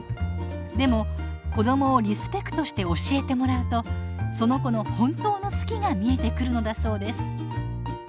でも子どもをリスペクトして教えてもらうとその子の本当の「好き」が見えてくるのだそうです。